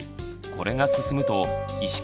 これが進むと意識